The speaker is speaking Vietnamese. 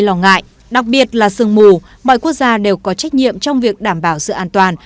lo ngại đặc biệt là sương mù mọi quốc gia đều có trách nhiệm trong việc đảm bảo sự an toàn